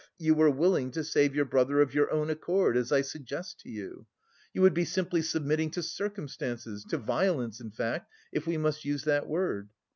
you were willing to save your brother of your own accord, as I suggest to you. You would be simply submitting to circumstances, to violence, in fact, if we must use that word.